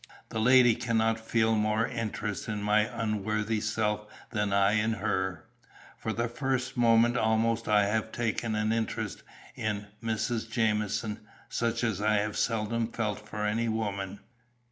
The lady cannot feel more interest in my unworthy self than I in her; from the first moment almost I have taken an interest in Mrs. Jamieson, such as I have seldom felt for any woman.